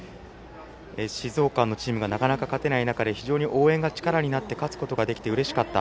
静岡のチームがなかなか勝てない中で非常に応援が力になって勝つことができてうれしかった。